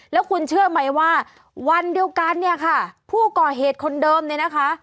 แล้วคุณเชื่อไหมว่าวันเดียวกันเนี่ยค่ะผู้ก่อเหตุคนเดิมเนี่ยนะคะ